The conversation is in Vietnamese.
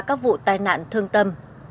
các vụ tai nạn thương tâm